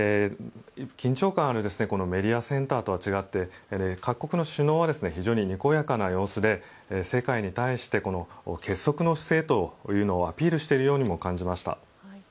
緊張感あるメディアセンターとは違って各国の首脳は非常ににこやかな様子で世界に対してこの結束の姿勢というのをアピールしているようにも感じました。